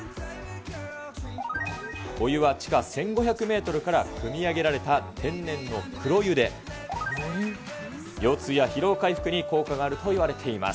お湯は地下１５００メートルからくみ上げられた天然の黒湯で、腰痛や疲労回復に効果があるといわれています。